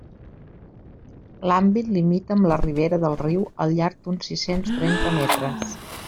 L'àmbit limita amb la ribera del riu al llarg d'uns sis-cents trenta metres.